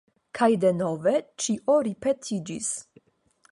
Kaj denove ĉio ripetiĝis.